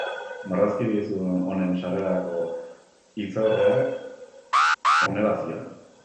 Marrazki bizidun honen sarrerako hitzaurreak honela zioen.